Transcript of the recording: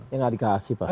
yang gak dikasih pasti